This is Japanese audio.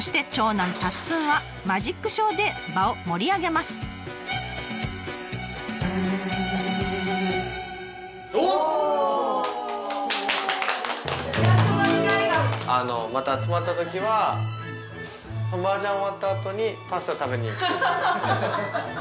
また集まったときはマージャン終わったあとにパスタ食べに。